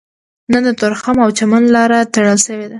نن د تورخم او چمن لاره تړل شوې ده